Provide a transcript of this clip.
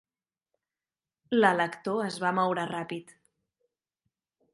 L'elector es va moure ràpid.